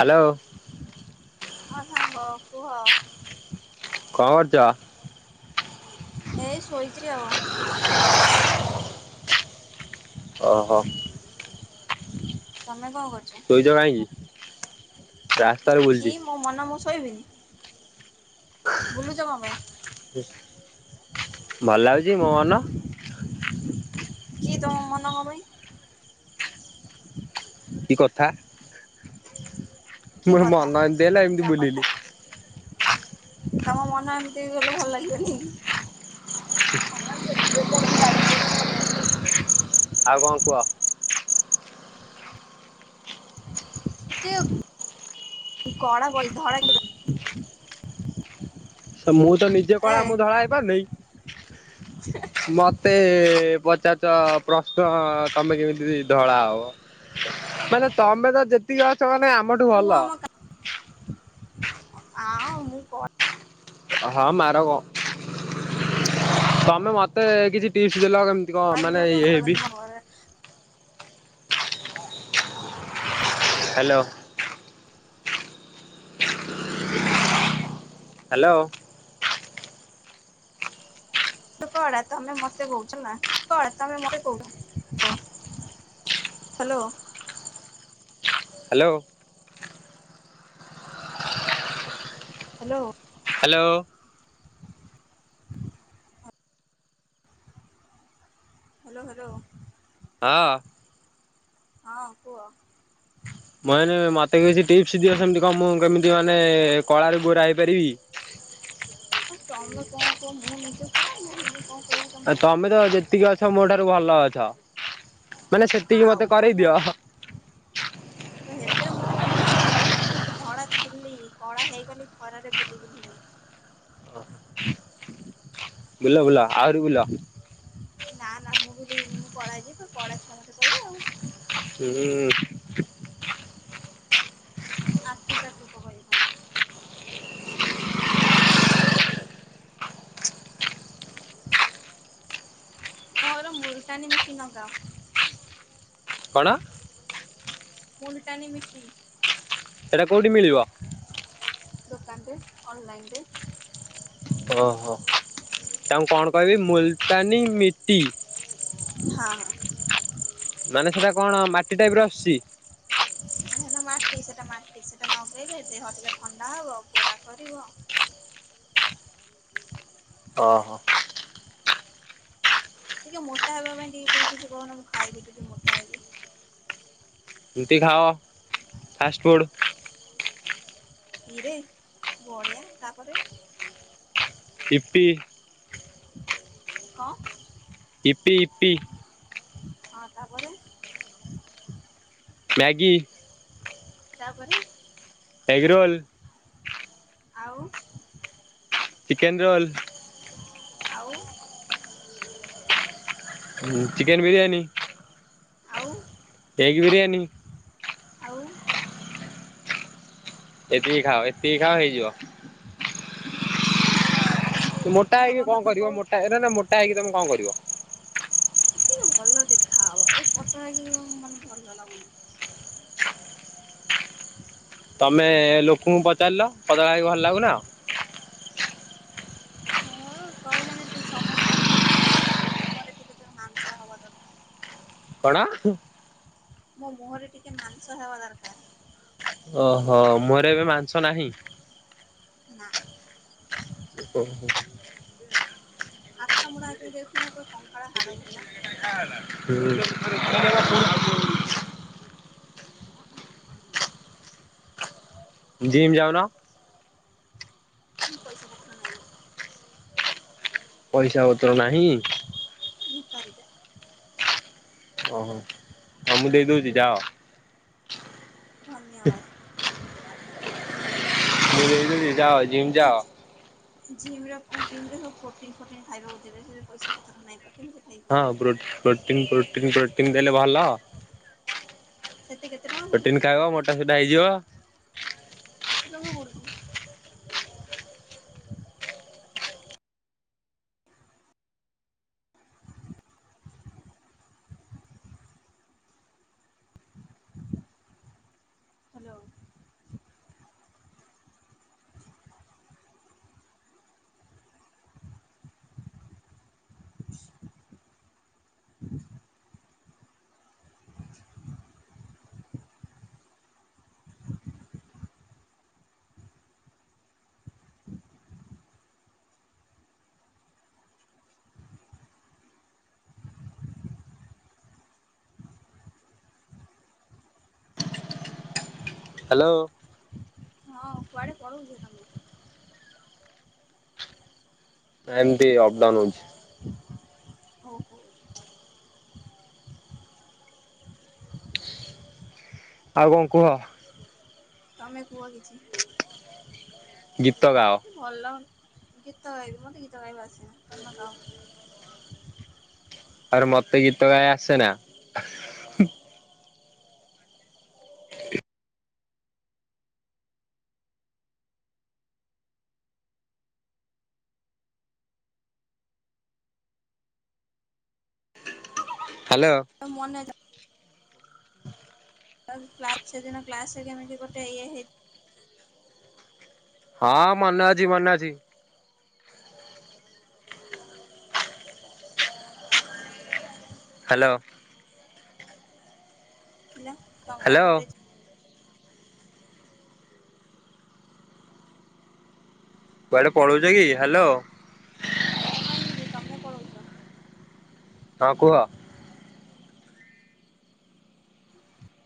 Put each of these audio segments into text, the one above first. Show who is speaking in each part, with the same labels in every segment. Speaker 1: Hello.
Speaker 2: ହଁ ସାଙ୍ଗ କୁହ।
Speaker 1: କଁ କରୁଚ?
Speaker 2: ଏଇ ଶୋଇଚିରି ଆଉ। [inaudible]
Speaker 1: ଅହ।
Speaker 2: ତମେ କଁ
Speaker 1: ଶୋଇଛ କାହିଁକି ରାସ୍ତାରେ
Speaker 2: କରୁଚ
Speaker 1: ବୁଲୁଛି
Speaker 2: କିମ୍ ମୋ ମନ ମୁଁ ଶୋଇବିନି, ବୁଲୁଚ କଁ ପାଇଁ?
Speaker 1: କି ଭଲ୍ ଲାଗୁଚି ମୋ ମନ।
Speaker 2: କି ତମ ମନ କଁ ପାଇଁ?
Speaker 1: କି କଥା
Speaker 2: କି
Speaker 1: ମୋ
Speaker 2: କଥା
Speaker 1: ମନ ଏମିତି ହେଲା ଏମିତି
Speaker 2: ଯା କଥା
Speaker 1: ବୁଲିଲି।
Speaker 2: ତମ ମନ ଏମିତି ଗଲେ ଭଲ ଲାଗିବନି।
Speaker 1: ଆଉ କଁ କୁଅ?
Speaker 2: [unintelligible]
Speaker 1: ମୁଁ ତ ନିଜେ
Speaker 2: ଏ
Speaker 1: କଳା ମୁଁ ଧଳାହେଇ ପାରୁନେଇ ମତେ ମତେ ପଚା ରୁଚ ପ୍ରଶ୍ନ ତମେ କେମିତି ଧଳା ହବ। ମାନେ ତମେ ତ ଯେତିକି ଅଛ ମାନେ ଆମ
Speaker 2: ମୁଁ ଆମ କା ଆଁ ମୁଁ କ
Speaker 1: ହଁ ମାର ତମେ ମତେ କିଛି ଟିପ୍ସ ଦେଲ କେମ କେମିତି କ ଣ ମାନେ ଇଏ ହେବି।
Speaker 2: ଘରେ
Speaker 1: ହ୍ୟାଲୋ। ହ୍ୟାଲୋ। ହ
Speaker 2: କଡ ତମେ ମତେ କହୁଛ ନା କଡା ତମେ ମତେ କହୁଛ। Hello.
Speaker 1: Hello.
Speaker 2: Hello.
Speaker 1: Hello.
Speaker 2: Hello hello.
Speaker 1: ହଁ।
Speaker 2: ହଁ କୁହ।
Speaker 1: ମୁଁ କହିନୀ ମତେ କିଛି ଟିପ୍ସ ଦିଅ ସେମିତି କଣ ମୁଁ କେମିତି ମାନେ କଳାରୁ ଗୋରା ହେଇପାରିବି।
Speaker 2: ଆଉ ତମେ କଣ କୁହ ମୁଁ ନିଜେ କଳା ମୁଁ ମୁଁ କଣ କହିବି? ତମକୁ
Speaker 1: ତମେ ତ ଯେତିକି ଅଛ ମୋ ଠାରୁ ଭଲ ଅଛ ମାନେ ସେତିକି
Speaker 2: ଆଉ
Speaker 1: ମତେ କରେଇଦିଅ।
Speaker 2: ତ ସେଥିରେ ମୁଁ ମୁଁ ଆହୁରି ମୁଁ ଧଳା ଥିଲି କଳା ହେଇଗଲି ଖରାରେ ବୁଲି ବୁଲିକି।
Speaker 1: ବୁଲ ବୁଲ ଆହୁରି ବୁଲ।
Speaker 2: ନା ନା ମୁଁ ଭୁଲିବିନି ମୁଁ କଳା ହେଇ ଯିବ କଳା ଛୁଆ ମତେ କିବେ ଆଉ।
Speaker 1: ହୁଁ।
Speaker 2: ଆସିକା ଦୁକ କହିବି କନ। ମୋର ମୁଲଟାନି ମିଟି ନଗାଅ।
Speaker 1: କଣ?
Speaker 2: ମୁଲଟାନୀ ମିଟି।
Speaker 1: ସେଇଟା କୋଉଠି ମିଳିବ।
Speaker 2: ଦୋକାନରେ ଅନଲାଇନ ରେ।
Speaker 1: ଓହୋ ତାଙ୍କୁ କଣ କହିବି ମୁଲତାନୀ ମିଟି?
Speaker 2: ହଁ ହଁ।
Speaker 1: ମାନେ ସେଟା କଣ ମାଟି ଟାଇପ ର ଆସୁଛି?
Speaker 2: ହେରା ମାଟି ସେଟା ମାଟି ସେଟା ନଗେଇଲେ ଦେହ ଟିକେ ଥଣ୍ଡା ହବ ଗୋରା କରିବ।
Speaker 1: ଅହ।
Speaker 2: ଟିକେ ମୋଟ ହେବା ପାଇଁ ଟିକେ କିଛି କିଛି କହୁନ ମୁଁ ଖାଇବି ଟିକେ ମୋଟା ହେବି?
Speaker 1: ରୁଟି ଖାଅ ଫାଷ୍ଟଫୁଡ଼୍।
Speaker 2: ଇରେ ବଢିଆ ତାପରେ
Speaker 1: ଇପି
Speaker 2: ଙ୍କ
Speaker 1: ଇପି ଇପି।
Speaker 2: ହଁ ତାପରେ?
Speaker 1: ମ୍ୟାଗି
Speaker 2: ତାପରେ?
Speaker 1: Egg roll.
Speaker 2: ଆଉ
Speaker 1: ଚିକେନ୍ ରୋଲ୍।
Speaker 2: ଆଉ
Speaker 1: ହଁ ଚିକେନ ବିରିୟାନୀ।
Speaker 2: ଆଉ
Speaker 1: ଏଗ ବିରିୟାନୀ
Speaker 2: ଆଉ?
Speaker 1: ଏତିକି ଖାଅ ଏତିକି ଖାଅ ହେଇଯିବ।
Speaker 2: ହଁ ତମ ମାନେ କି ମୋଟା
Speaker 1: ହେଇକି
Speaker 2: ହବା
Speaker 1: କଣ
Speaker 2: କଥା
Speaker 1: କରିବ
Speaker 2: କହୁ
Speaker 1: ମୋଟା ନା ନା ମୋଟା ହେଇକି ତମେ କଣ କରିବ?
Speaker 2: ଟିକେ ଭଲ ଦେଖା ହବ ଏଇ ପତଳା ହେଇକି କଣ ମାନେ ଭଲ ଲାଗୁନି।
Speaker 1: ତମେ ଲୋକଙ୍କୁ ପଚାରିଲ ପତଳା ହେଇକି ଭଲ ଲାଗୁନ।
Speaker 2: ହଁ କୋଉ ଜାଣିଛି ସମସ୍ତେ କହୁଛନ୍ତି ଟିକେ ମୋଟା ହଉ ମୁହଁରେ ଟିକେ ମାଂସ ହବା ଦରକାର।
Speaker 1: କଣ?
Speaker 2: ମୋ ମୁହଁରେ ଟିକେ ମାଂସ ହେବା ଦରକାର।
Speaker 1: ଓହୋ ମୁହଁ ରେ ଏବେ ମାଂସ ନାହିଁ?
Speaker 2: ନାଁ।
Speaker 1: ଟିପୋ [unintelligible]
Speaker 2: ହାତ ଗୁଡା ଆଗେ ଦେଖୁନ ପୁରା କଙ୍କାଳ ହାଡ ଭଳିଆ।
Speaker 1: ହୁଁ [inaudible] ଜିମ୍ ଯାଉନ?
Speaker 2: ପଇସା ପତ୍ର ନାଇଁ।
Speaker 1: ପଇସା ପତ୍ର ନାହିଁ।
Speaker 2: ଭିକାରୀଟା।
Speaker 1: ଓହୋ ହଉ ମୁଁ ଦେଇ ଦଉଚି ଯାଅ।
Speaker 2: ଧନ୍ୟବାଦ।
Speaker 1: ମୁଁ ଦେଇଦେବି ଯାଅ ଜିମ୍
Speaker 2: ଏ
Speaker 1: ଯାଅ।
Speaker 2: ଜିମ୍ ରେ, ଜିମ୍ ରେ ସବୁ ପ୍ରୋଟିନ ଫୋଟିନ ଖାଇବାକୁ ଦେବେ ସେ ପଇସା ପତ୍ର ନଁ କେମିତି ଖାଇବି।
Speaker 1: ହଁ ପ୍ରୋ ପ୍ରୋଟିନ୍ ପ୍ରୋଟିନ୍ ପ୍ରୋଟିନ୍ ଦେଲେ ଭଲ।
Speaker 2: ସେତେ କେତେ ଟଙ୍କା
Speaker 1: ପ୍ରୋଟିନ
Speaker 2: ପଡୁଛି
Speaker 1: ଖାଇବ ମୋଟା ସୋଟା ହେଇଯିବ।
Speaker 2: କେତେ ଟଙ୍କା ପଡୁଛି? ହ୍ୟାଲୋ
Speaker 1: ହ୍ୟାଲୋ
Speaker 2: ହଁ କୁଆଡେ ପଳଉଚ ତମେ?
Speaker 1: ନାଇଁ ଏମିତି ଅପଡାଉନ୍ ହଉଛି।
Speaker 2: ହଉ
Speaker 1: ଆଉ କଣ କୁହ?
Speaker 2: ତମେ କୁହ କିଛି?
Speaker 1: ଗୀତ ଗାଅ।
Speaker 2: ଭଲ ଗୀତ ଗାଇବି ମତେ ଗୀତ ଗାଇବା ଆସିନ ତମେ ଗାଅ।
Speaker 1: ଆରେ ମତେ ଗୀତ ଗାଇ ଆସେନା। ହ୍ୟାଲୋ
Speaker 2: ମନେ ଥାଉ କ୍ଲାସ ସେ ଦିନ କ୍ଲାସ ରେ କେମିତି ଗୋଟେ ଇଏ ହେଇଛି।
Speaker 1: ହଁ ମନେ ଅଛି ମନେ ଅଛି। ହ୍ୟାଲୋ।
Speaker 2: ପିଲା
Speaker 1: ହ୍ୟାଲୋ
Speaker 2: [unintelligible]
Speaker 1: କୁଆଡେ ପଳଉଛ କି ହ୍ୟାଲୋ।
Speaker 2: ମୁଁ କାଇଁ ଯିବି ତମେ ପଳଉଚ୍ଚ।
Speaker 1: ହଁ କୁହ।
Speaker 2: [inaudible]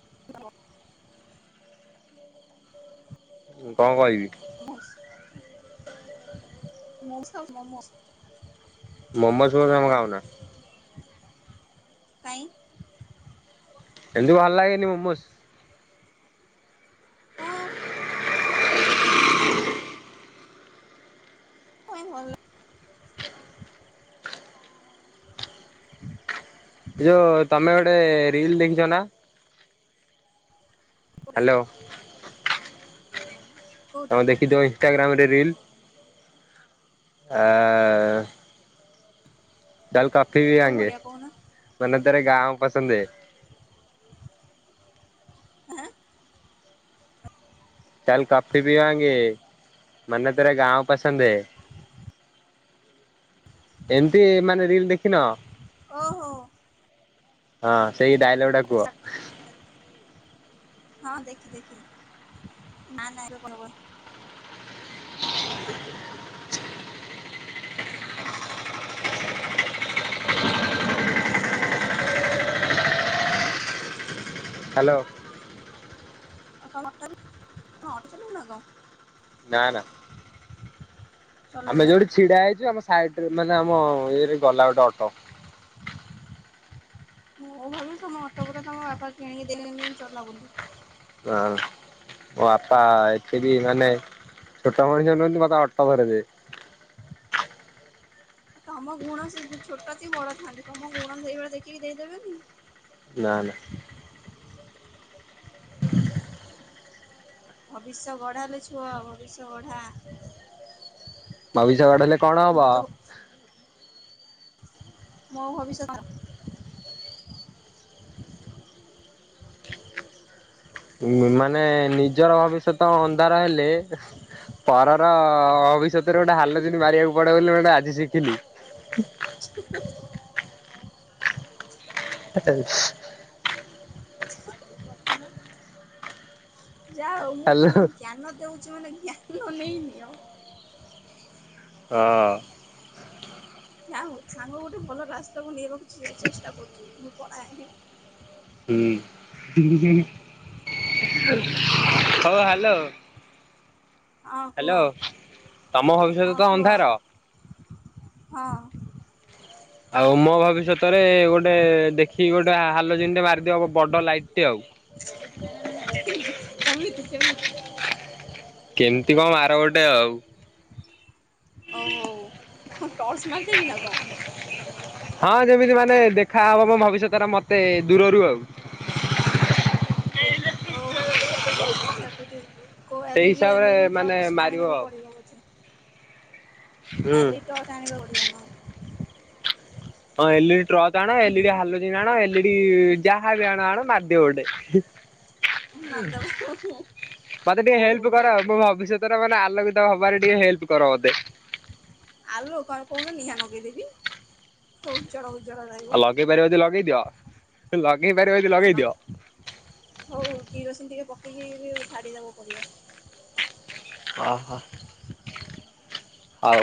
Speaker 2: [unintelligible]
Speaker 1: ମୁଁ କଁ କହିବି।
Speaker 2: ମସ [unintelligible]
Speaker 1: ମୋମୋ ସ୍ ଆମେ ଖାଉ ନା।
Speaker 2: କାଇଁ।
Speaker 1: ଏମତି ଭଲ ଲାଗେନି ମୋମୋସ୍।
Speaker 2: କଁ କାଇଁ ଭଲ
Speaker 1: ଏ ଯୋଉ ତମେ ଗୋଟେ ରିଲ ଦେଖିଛ ନା?
Speaker 2: କୋଉଟା
Speaker 1: ହ୍ୟାଲୋ।
Speaker 2: କୋଉଟା
Speaker 1: ତମେ
Speaker 2: କୋଉଟା
Speaker 1: ଦେଖିଥିବ ଇନ୍ଷ୍ଟା ଗ୍ରାମ ରେ ରିଲ। ଚାଲ କଫି ବି
Speaker 2: କୋଉ
Speaker 1: ଆଙ୍ଗେ
Speaker 2: ଭଳିଆ କହୁନ
Speaker 1: ମାନେ ତେରେ ଗାଁ ପସନ୍ଦ ହେ।
Speaker 2: ହେ ଏଁ।
Speaker 1: ଚାଲ୍ କଫି ପିଇବାଙ୍ଗେ ମାନେ ତେରେ ଗାଁ ପସନ୍ଦ ହେ। ଏମିତି ମାନେ ରିଲ ଦେଖିନ।
Speaker 2: ଓହୋ।
Speaker 1: ହଁ ସେଇ ଡାଇଲଗ ଟା କୁହ।
Speaker 2: ହଁ ଦେଖି ଦେଖିଲି ନା ନା ଏବେ କହି ହବନି।
Speaker 1: ହ୍ୟାଲୋ।
Speaker 2: [unintelligible]
Speaker 1: ନା ନା। ଆମେ
Speaker 2: ଚଲଉନା
Speaker 1: ଯୋଉଠି ଛିଡା ହେଇଛୁ ଆମ ସାଇଡ ରେ ମାନେ ଆମ ଇଏରେ ଗଲା ଗୋଟେ ଅଟ।
Speaker 2: ମୁଁ ଭାବିଲି ତମ ଅଟପୁରା ତମ ବାପା କିଣିକି ଦେଇଚନ୍ତି ଚଲା ବୋଲି।
Speaker 1: ଆଁ ମୋ ବାପା ଏତେ ବି ମାନେ ଛୋଟ ମଣିଷ ନୁହନ୍ତି ମତେ ଅଟୋ ଧରେଇଦେବେ।
Speaker 2: ତମ ଗୁଣ ସେ ଛୋଟ କି ବଡ ଥାନ୍ତୁ ତମ ଗୁଣ ସେଇଭଳିଆ ଦେଖିକି ଦେଇଦେବେନି।
Speaker 1: ନା ନା।
Speaker 2: ଭବିଷ୍ୟ ଗଢା ଲୋ ଛୁଅ ଭବିଷ୍ୟ ଗଢା।
Speaker 1: ଭବିଷ୍ୟ ଗଢିଲେ ହେଲେ କଣ
Speaker 2: ମୋ
Speaker 1: ହବ।
Speaker 2: ତ ମୋ ଭବିଷ୍ୟତ।
Speaker 1: ମାନେ ନିଜର ଭବିଷ୍ୟତ ଅନ୍ଧାର ହେଲେ। ପରର ଭବିଷ୍ୟତରେ ଗୋଟେ ହାଲଜିନ ମାରିବାକୁ ପଡେ ବୋଲି ମୁଁ ହେଟା ଆଜି ଶିଖିଲି।
Speaker 2: [unintelligible]
Speaker 1: [unintelligible]
Speaker 2: ଯା ହଉ ମୁଁ
Speaker 1: ହାଲୋ
Speaker 2: ତୁମୁ ଜ୍ଞାନ ଦଉଛି ମାନେ ଜ୍ଞାନ ନେଇନିଅ।
Speaker 1: ହଁ।
Speaker 2: ଜା ହୋଉ ସାଙ୍ଗ ଗୋଟେ ଭଲ ରାସ୍ତାକୁ ନେଇବାକୁ ଚେଷ୍ଟା କରୁଛି ମୁଁ ପଳାଏ।
Speaker 1: ହୁଁ [unintelligible] ହଉ ହ୍ୟାଲୋ।
Speaker 2: ହଁ କୁହ
Speaker 1: ତମ ଭବିଷ୍ୟତ
Speaker 2: ହଁ
Speaker 1: ତ
Speaker 2: କୁହ
Speaker 1: ଅନ୍ଧାର
Speaker 2: ହଁ
Speaker 1: ହ ଆଉ ମୋ ଭବିଷ୍ୟତରେ ଗୋଟେ ଦେଖିକି ଗୋଟେ ହାଲ ଜିନିଟେ ମାରିଦବ ବଡ ଲାଇଟ୍ ଟେ ଆଉ [unintelligible]
Speaker 2: କେମିତି କେମିତି?
Speaker 1: କେମିତି କଣ, ମାର ଗୋଟେ ଆଉ
Speaker 2: ଓହୋ କଣ ଟର୍ଚ ମାରଦେବି, ନା କଣ?
Speaker 1: ହଁ ଯେମିତି ମାନେ ଦେଖାହବ ମୋ ଭବିଷ୍ୟତରେ, ମତେ ଦୂରରୁ ଆଉ
Speaker 2: ହଉ ହଉ ଦେଖା ହବ ଆଉ, ଦେଖିବା କୋଉଠି?
Speaker 1: ସେଇ
Speaker 2: ଆଲେରି
Speaker 1: ହିସାବରେ
Speaker 2: ଆଲେରୀ ଟା
Speaker 1: ମାନେ ମାରିବ
Speaker 2: ଆଣିବାକୁ
Speaker 1: ଆଉ
Speaker 2: ପଡିବ ମତେ
Speaker 1: ହୁଁ।
Speaker 2: ଜାଣିବାକୁ ପଡିବ ନ
Speaker 1: ହଁ ଏଲଇଡି ଟ୍ରକ୍ ଆଣ, ଏଲଇଡି ହାଲୋଜିନ୍ ଆଣ, ଏଲ ଇଡି ଯାହା ବି ଆଣ ଆଣ ମାରିଦିଅ ଗୋଟେ
Speaker 2: ହୁଁ ମାଧବ ହଉ
Speaker 1: ମତେ ଟିକେ
Speaker 2: ହଉ ହଉ
Speaker 1: ହେଲ୍ପ କର,
Speaker 2: ହଉ
Speaker 1: ମୋ ଭବିଷତ ମାନେ ଆଲୋକିତ ହବାରେ, ଟିକେ ହେଲ୍ପ କର ମୋତେ।
Speaker 2: ଆଲୋ କଣ କହୁନ ନିଆଁ ଲଗେଇଦେବି, ସେ ଉଜ୍ଜଳ ଉଜ୍ଜଳ ରହିବ।
Speaker 1: ଲଗେଇପାରିବ ଯଦି ଲଗେଇଦିଅ। ଲଗେଇ ପାରିବ ଯଦି
Speaker 2: ହ ନଦ, ହଉ କିରୋସିନ ଟିକେ ପକେଇକି ଛାଡିଦବ ପଡିବ।
Speaker 1: ଓହୋ ହଉ